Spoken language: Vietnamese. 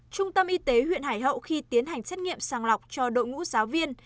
trung tâm y tế huyện hải hậu khi tiến hành xét nghiệm sàng lọc cho đội ngũ giáo viên